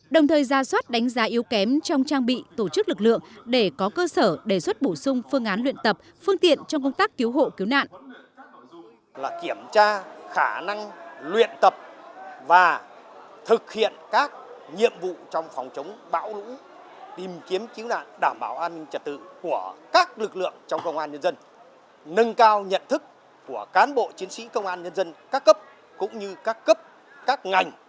đồng thời ra soát đánh giá yếu kém trong trang bị tổ chức lực lượng để có cơ sở đề xuất bổ sung phương án luyện tập phương tiện trong công tác cứu hộ cứu nạn